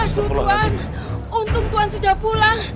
tuan untung tuan sudah pulang